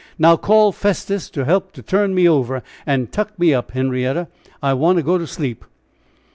Now call Festus to help to turn me over, and tuck me up, Henrietta; I want to go to sleep!"